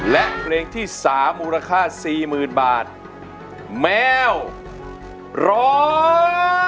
และเพลงที่๓มูลค่า๔๐๐๐๐บาทแมวร้อง